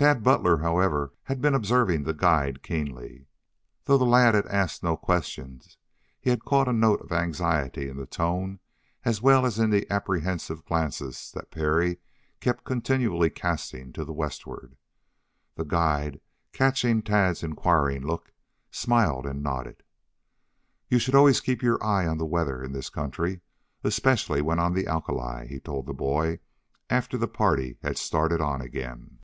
Tad Butler, however, had been observing the guide keenly. Though the lad had asked no questions, he had caught a note of anxiety in the tone, as well as in the apprehensive glances that Parry kept continually casting to the westward. The guide, catching Tad's inquiring look, smiled and nodded. "You should always keep your eyes on the weather in this country, especially when on the alkali," he told the boy after the party had started on again.